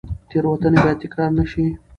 تېروتنې باید تکرار نه شي.